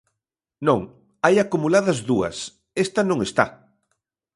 Non, hai acumuladas dúas; esta non está.